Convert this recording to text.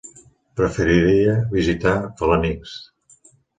Preferiria visitar Felanitx.